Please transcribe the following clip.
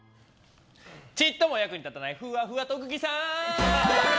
ちっとも役に立たないふわふわ特技さん。